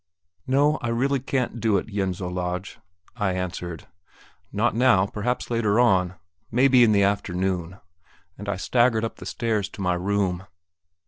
"No; I really can't do it, Jens Olaj," I answered. "Not now perhaps later on, maybe in the afternoon," and I staggered up the stairs to my room.